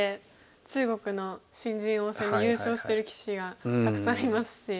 中国の新人王戦で優勝してる棋士がたくさんいますし。